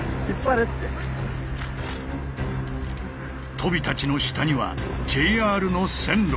とびたちの下にはＪＲの線路。